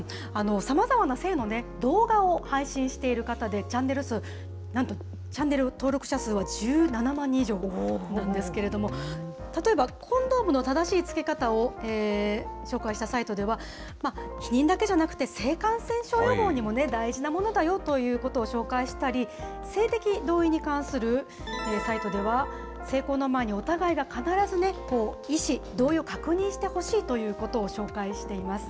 さまざまな性の動画を配信している方で、チャンネル数、なんとチャンネル登録者数は１７万人以上ということですけれども、例えばコンドームの正しいつけ方を紹介したサイトでは、避妊だけじゃなくて、性感染症予防にも大事なものだよということを紹介したり、性的同意に関するサイトでは、性交の前にお互いが必ずね、意思、同意を確認してほしいということを紹介しています。